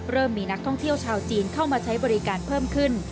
มีนักท่องเที่ยวชาวจีนเข้ามาใช้บริการเพิ่มขึ้น